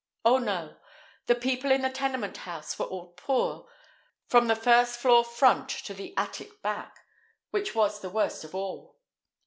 Oh, no! The people in the tenement house were all poor, from the first floor front to the attic back, which was the worst of all.